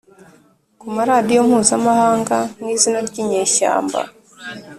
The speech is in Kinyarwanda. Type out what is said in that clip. ku maradiyo mpuzamahanga mu izina ry'inyeshyamba,